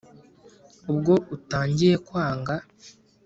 ubwo utangiye kwanga